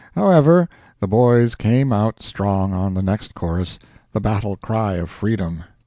However, the boys came out strong on the next chorus—"The Battle Cry of Freedom."